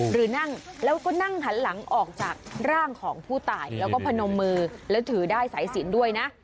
หรือนั่งแล้วก็นั่งหันหลังออกจากร่างของผู้ตายแล้วก็พนมมือแล้วถือได้สายสินด้วยนะ